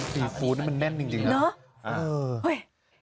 ปีฟูนมันแน่นจริงหรอเออเห้ย